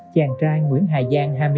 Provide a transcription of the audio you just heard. chàng trai nguyễn hải giang hai mươi bảy